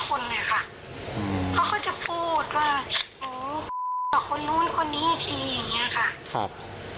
เขาก็จะพูดว่าคนนู้นคนอีกทีอย่างเงี้ยค่ะครับ